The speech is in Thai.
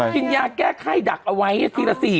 กินยาแก้ไข้ดักเอาไว้๔ละ๔เมตรไง